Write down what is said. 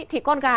thì con gà